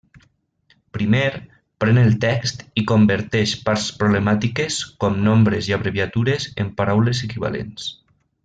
Primer, pren el text i converteix parts problemàtiques com nombres i abreviatures en paraules equivalents.